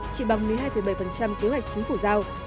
chỉ bằng một mươi hai bảy kế hoạch chính phủ giao